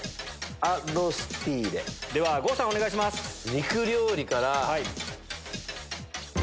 肉料理から。